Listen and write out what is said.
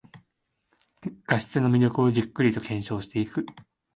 画質の魅力をじっくりと検証していく